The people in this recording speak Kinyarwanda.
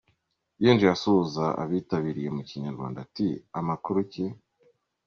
Yinjiye asuhuza abitabiriye mu Kinyarwanda ati “Amakuru ki?